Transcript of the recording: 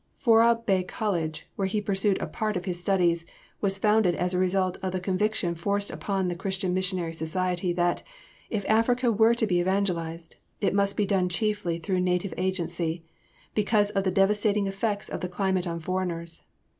Fourah Bay College, where he pursued a part of his studies, was founded as a result of the conviction forced upon the Church Missionary Society that, if Africa were to be evangelized, it must be done chiefly through native agency, because of the devastating effects of the climate on foreigners.